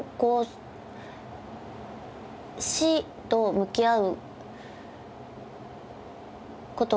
死と向き合うことが。